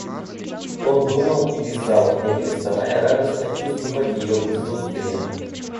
Он думал и писал, не переставая радостно чувствовать ее присутствие.